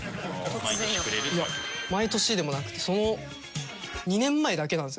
いや毎年でもなくてその２年前だけなんですよね。